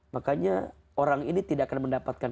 makanya orang ini tidak akan mendapatkan